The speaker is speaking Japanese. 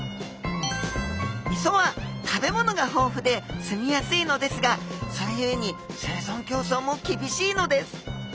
磯は食べ物が豊富で住みやすいのですがそれゆえに生存競争もきびしいのです。